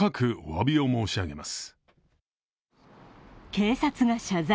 警察が謝罪。